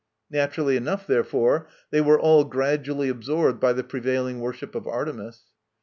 Naturally enough, therefore, they were all gradually absorbed by the prevailing worship of Artemis.